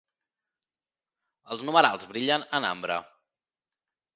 Els numerals brillen en ambre.